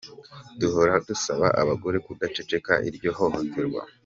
Duhora dusaba abagore kudaceceka iryo hohoterwa.